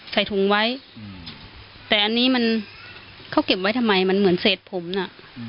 ใส่ถุงไว้แต่อันนี้มันเขาเก็บไว้ทำไมมันเหมือนเศษผมน่ะ